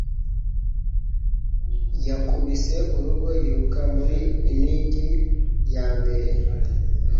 Yakubise urugo yiruka muri inning yambere